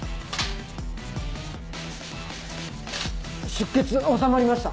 出血収まりました。